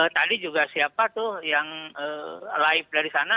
tadi juga siapa tuh yang live dari sana